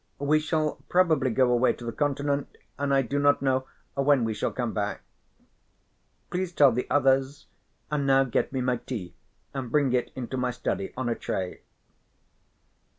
We shall probably go away to the Continent, and I do not know when we shall come back. Please tell the others, and now get me my tea and bring it into my study on a tray."